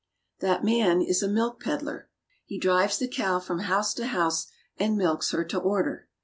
That man is a milk peddler. He drives the cow from house to house and milks her to order.